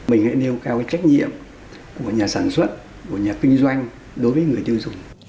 mình hãy nêu cao cái trách nhiệm của nhà sản xuất của nhà kinh doanh đối với người tiêu dùng